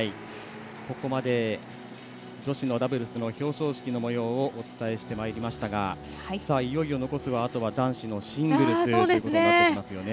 ここまで女子のダブルスの表彰式のもようをお伝えしてまいりましたがいよいよ残すはあとは男子のシングルスとなってきます。